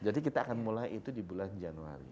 jadi kita akan mulai itu di bulan januari